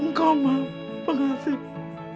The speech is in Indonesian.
engkau maaf pengasih